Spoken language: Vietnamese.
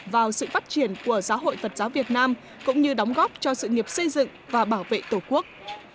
vào sự phát triển của giáo hội phật giáo việt nam cũng như đóng góp cho sự nghiệp xây dựng và bảo vệ tổ quốc